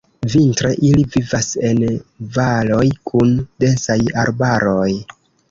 Vintre ili vivas en valoj kun densaj arbaroj.